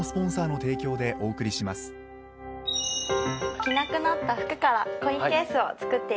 着なくなった服からコインケースを作っていきましょう。